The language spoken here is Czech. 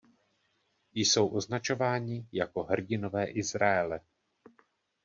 Jsou označováni jako „Hrdinové Izraele“.